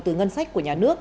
từ ngân sách của nhà nước